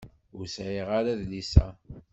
Ur sɛiɣ ara adlis-a.